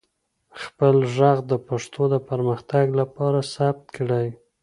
خپل ږغ د پښتو د پرمختګ لپاره ثبت کړئ.